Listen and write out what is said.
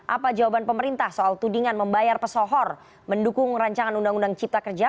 apa jawaban pemerintah soal tudingan membayar pesohor mendukung rancangan undang undang cipta kerja